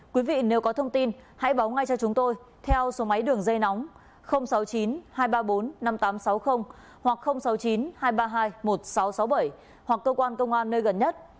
quý vị nếu có thông tin hãy báo ngay cho chúng tôi theo số máy đường dây nóng sáu mươi chín hai trăm ba mươi bốn năm nghìn tám trăm sáu mươi hoặc sáu mươi chín hai trăm ba mươi hai một nghìn sáu trăm sáu mươi bảy hoặc cơ quan công an nơi gần nhất